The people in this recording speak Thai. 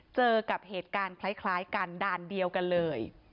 เจอกับเหตุการณ์คล้ายกันด่านเดียวกันเลย